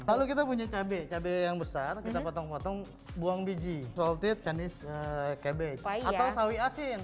lalu kita punya cabai cabai yang besar kita potong potong buang biji solted chinese cabai atau sawi asin